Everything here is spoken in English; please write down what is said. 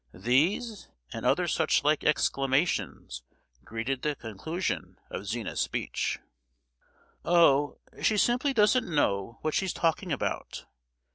These and other such like exclamations greeted the conclusion of Zina's speech. "Oh, she simply doesn't know what she's talking about!"